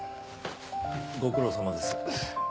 ご苦労さまです。